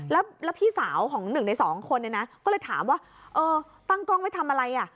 แล้วพี่สาวของหนึ่งในสองคนเนี่ยนะก็เลยถามว่าเออตั้งกล้องไว้ทำอะไรอ่ะ